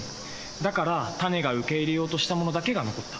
だからタネが受け入れようとしたものだけが残った。